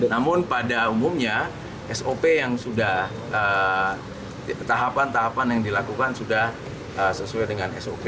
namun pada umumnya sop yang sudah tahapan tahapan yang dilakukan sudah sesuai dengan sop